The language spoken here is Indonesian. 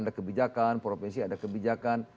ada kebijakan provinsi ada kebijakan